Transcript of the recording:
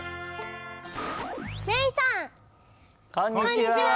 こんにちは。